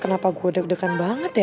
kenapa gue deg degan banget ya